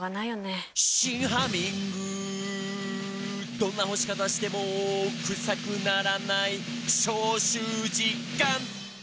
「どんな干し方してもクサくならない」「消臭実感！」